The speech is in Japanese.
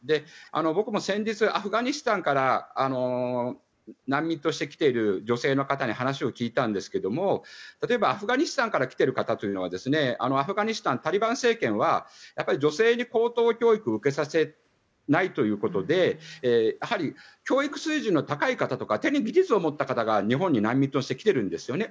僕も先日、アフガニスタンから難民として来ている女性の方に話を聞いたんですけども例えば、アフガニスタンから来ている方はアフガニスタン、タリバン政権は女性に高等教育を受けさせないということで教育水準の高い方とか手に技術を持っている方が日本に難民として来ているんですよね。